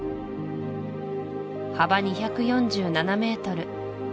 幅２４７メートル